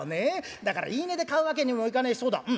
だから言い値で買うわけにもいかねえしそうだうん。